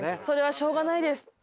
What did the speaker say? それはしょうがないです。